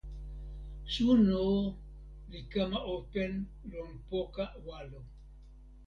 suno li kama open lon poka walo.